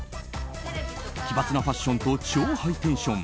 奇抜なファッションと超ハイテンション。